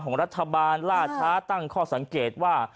ของรัฐบาลล่าช้าตั้งข้อสังเกตว่า